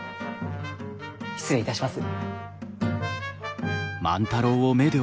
失礼いたします。